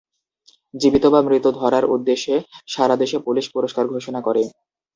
জীবিত বা মৃত ধরার উদ্দেশ্যে সারা দেশে পুলিশ পুরস্কার ঘোষণা করে।